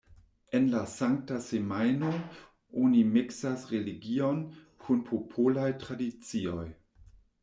En la Sankta Semajno oni miksas religion kun popolaj tradicioj.